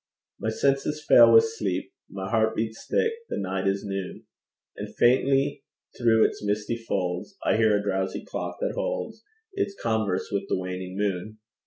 My senses fail with sleep; My heart beats thick; the night is noon; And faintly through its misty folds I hear a drowsy clock that holds Its converse with the waning moon.